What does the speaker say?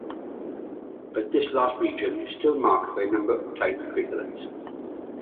But this last region is still marked by a number of tiny craterlets.